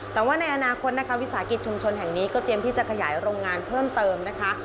แต่ว่าในอนาคตนะคะวิสาหกิจชุมชนแห่งนี้ก็เตรียมที่จะขยายโรงงานเพิ่มเติมนะคะ